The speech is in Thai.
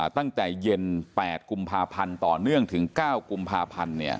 ตั้งแต่เย็น๘กพต่อเนื่องถึง๙กพ